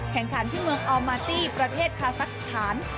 แข่งขันที่เมืองอัลมาร์ตี้ประเทศคาซักสถาน